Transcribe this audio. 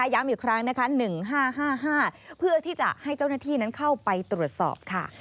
ย้ำอีกครั้ง๑๕๕๕เพื่อที่จะให้เจ้าหน้าที่เข้าไปตรวจสอบ